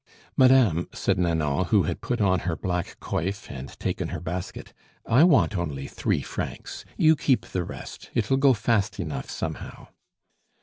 "Madame," said Nanon, who had put on her black coif and taken her basket, "I want only three francs. You keep the rest; it'll go fast enough somehow."